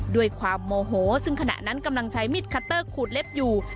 ด้วยความโมโหซึ่งขณะนั้นกำลังใช้มิดคัตเตอร์ขูดเล็บอยู่